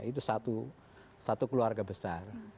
itu satu keluarga besar